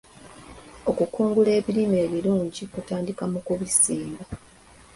Okukungula ebirime ebirungi kutandikira mu kubisimba.